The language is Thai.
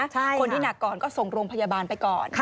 คนที่หนักก่อนก็ส่งโรงพยาบาลไปก่อน